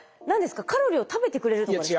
カロリーを食べてくれるとかですか？